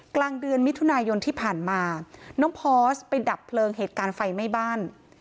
กลางเดือนมิถุนายนที่ผ่านมาน้องพอสไปดับเพลิงเหตุการณ์ไฟไหม้บ้าน